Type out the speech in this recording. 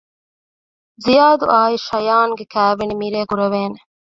ޒިޔާދު އާއި ޝާޔަން ގެ ކައިވެނި މިރޭ ކުރެވޭނެ